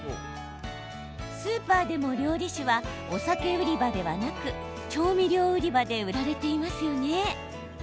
スーパーでも料理酒はお酒売り場ではなく調味料売り場で売られていますよね。